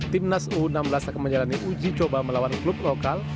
timnas u enam belas akan menjalani uji coba melawan klub lokal